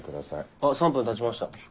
あっ３分たちました。